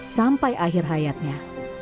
sampai akhir hayatnya